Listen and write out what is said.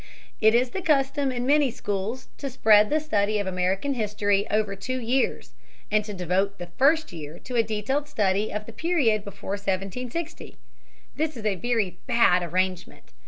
It is the custom in many schools to spread the study of American history over two years, and to devote the first year to a detailed study of the period before 1760. This is a very bad arrangement.